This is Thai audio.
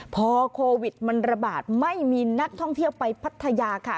พอโควิดมันระบาดไม่มีนักท่องเที่ยวไปพัทยาค่ะ